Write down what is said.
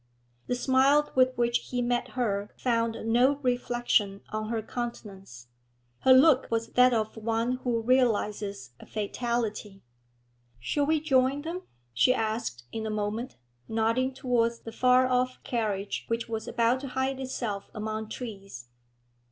The smile with which he met her found no reflection on her countenance; her look was that of one who realises a fatality. 'Shall we join them?' she asked in a moment, nodding towards the far off carriage which was about to hide itself among trees.